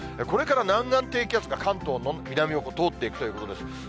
これから南岸低気圧が関東の南を通っていくということです。